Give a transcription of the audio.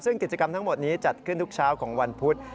ซึ่งกิจกรรมทั้งหมดนี้จัดขึ้นทุกเช้าของวันพุธ